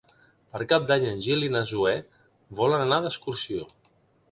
Per Cap d'Any en Gil i na Zoè volen anar d'excursió.